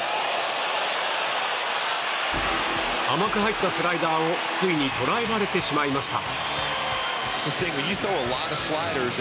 甘く入ったスライダーをついに捉えられてしまいました。